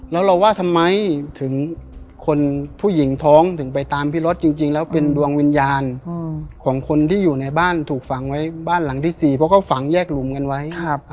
แล้วเราว่าทำไมถึงคนผู้หญิงท้องถึงไปตามพี่รถจริงแล้วเป็นดวงวิญญาณของคนที่อยู่ในบ้านถูกฝังไว้บ้านหลังที่๔เพราะเขาฝังแยกหลุมกันไว้